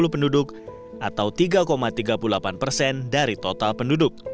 delapan puluh empat enam ratus tujuh puluh penduduk atau tiga tiga puluh delapan persen dari total penduduk